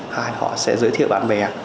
hai là họ sẽ giới thiệu bạn bè